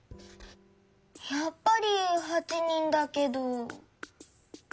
やっぱり８人だけど。